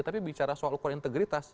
tapi bicara soal ukur integritas